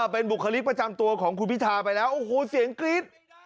เป็นบุคลิกประจำตัวของคุณพิทาไปแล้วโอ้โหเสียงกรี๊ด